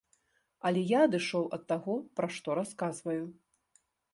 Але я адышоў ад таго, пра што расказваю.